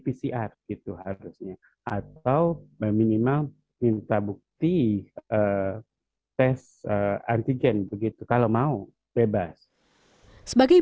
pcr gitu harusnya atau meminimal minta bukti tes antigen begitu kalau mau bebas sebagai